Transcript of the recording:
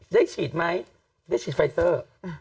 ได้ฉีดไหมได้ฉีดไฟเตอร์